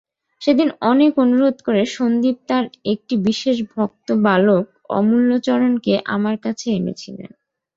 সেদিন অনেক অনুরোধ করে সন্দীপ তাঁর একটি বিশেষ ভক্ত বালক অমূল্যচরণকে আমার কাছে এনেছিলেন।